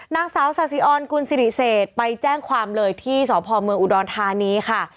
นางสาวสาธิออนกุลสิริเศษไปแจ้งความเลยที่สพเมืองอุดรธานีค่ะ